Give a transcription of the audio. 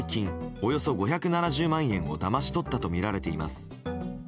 およそ５７０万円をだまし取ったとみられています。